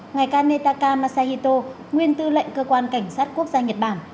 ngài kanetaka masahito nguyên tư lệnh cơ quan cảnh sát quốc gia nhật bản